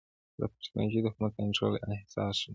دا پر ټکنالوژۍ د حکومت کنټرول او انحصار ښيي